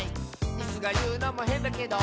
「イスがいうのもへんだけど」